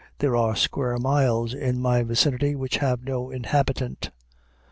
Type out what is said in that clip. There are square miles in my vicinity which have no inhabitant.